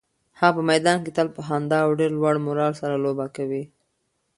هغه په میدان کې تل په خندا او ډېر لوړ مورال سره لوبه کوي.